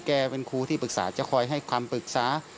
เป็นครูที่ปรึกษาจะคอยให้คำปรึกษา